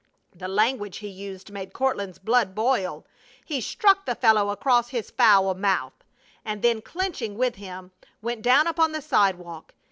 The language he used made Courtland's blood boil. He struck the fellow across his foul mouth, and then clenching with him, went down upon the sidewalk.